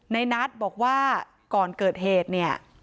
ในนัทบอกว่าก่อนเกิดเหตุเนี่ย